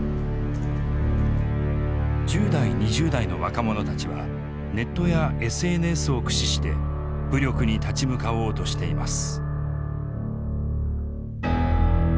１０代２０代の若者たちはネットやＳＮＳを駆使して武力に立ち向かおうとしています。